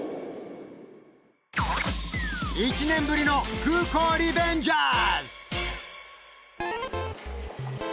１年ぶりの空港リベンジャーズ！